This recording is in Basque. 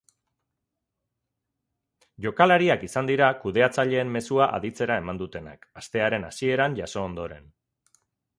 Jokalariak izan dira kudeatzaileen mezua aditzera eman dutenak, astearen hasieran jaso ondoren.